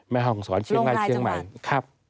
มห่องสวรรค์เชียงไหล่เชียงใหม่ครับ